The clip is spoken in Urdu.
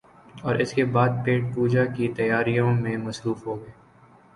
اوراس کے بعد پیٹ پوجا کی تیاریوں میں مصروف ہو گئے ۔